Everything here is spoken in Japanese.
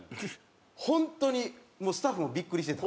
ホントにもうスタッフもビックリしてた。